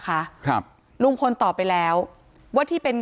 การแก้เคล็ดบางอย่างแค่นั้นเอง